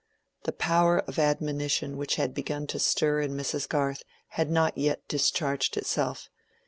The power of admonition which had begun to stir in Mrs. Garth had not yet discharged itself.